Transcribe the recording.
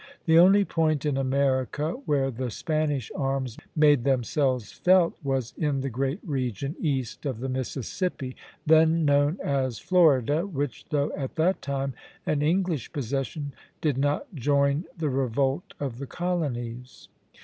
The only point in America where the Spanish arms made themselves felt was in the great region east of the Mississippi, then known as Florida, which, though at that time an English possession, did not join the revolt of the colonies.